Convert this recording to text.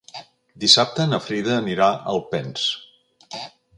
Dissabte na Frida anirà a Alpens.